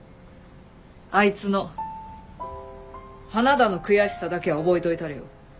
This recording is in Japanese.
あいつの花田の悔しさだけは覚えといたれよ。